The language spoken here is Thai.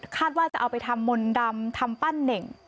ว่าจะเอาไปทำมนต์ดำทำปั้นเน่ง